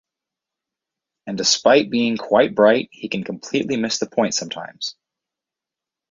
And despite being quite bright he can completely miss the point sometimes.